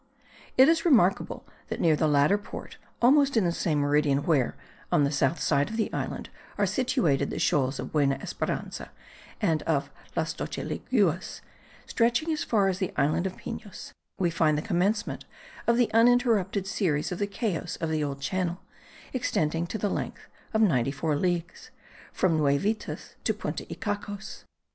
It is remarkable that near the latter port, almost in the same meridian where, on the southern side of the island, are situated the shoals of Buena Esperanza and of Las doce Leguas, stretching as far as the island of Pinos, we find the commencement of the uninterrupted series of the cayos of the Old Channel, extending to the length of ninety four leagues, from Nuevitas to Punta Icacos.